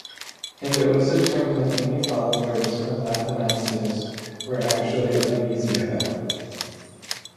And it was a term that many followers of Athanasius were actually uneasy about.